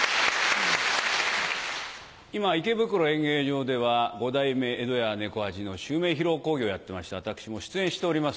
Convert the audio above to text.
今池袋演芸場では五代目江戸家猫八の襲名披露興行をやってまして私も出演しております。